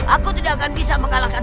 aku tidak akan bisa mengalahkan